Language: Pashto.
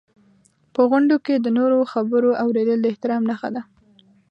په غونډو کې د نورو خبرو اورېدل د احترام نښه ده.